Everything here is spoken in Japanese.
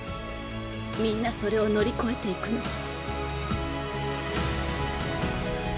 みんなそれを乗り越えていくの。